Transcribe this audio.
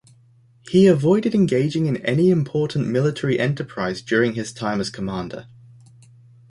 He avoided engaging in any important military enterprise during his time as commander.